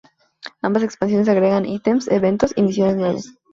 Ambas expansiones agregan ítems, eventos y misiones nuevas.